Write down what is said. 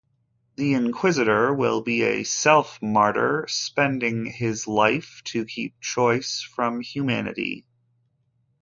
The Inquisitor will be a self-martyr, spending his life to keep choice from humanity.